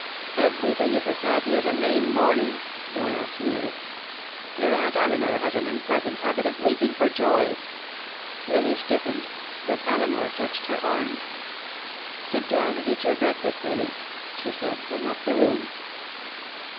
"Everything is as happy as a May morning," Doyle sneered. "Your Aunt Elinor has an unpleasant habit of weeping for joy." Lily stiffened, but Elinor touched her arm. "Sit down and eat your breakfast, Lily," she said, and left the room.